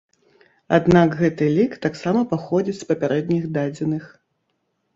Аднак гэты лік таксама паходзіць з папярэдніх дадзеных.